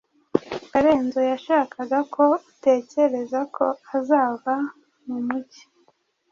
Karenzo yashakaga ko utekereza ko azava mu mujyi.